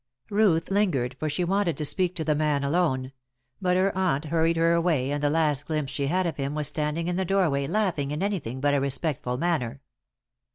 Ruth lingered, for she wanted to speak to the man alone; but her aunt hurried her away, and the last glimpse she had of him was standing in the doorway laughing in anything but a respectful manner.